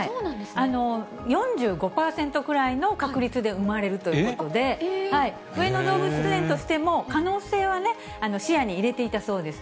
４５％くらいの確率で産まれるということで、上野動物園としても、可能性は視野に入れていたそうです。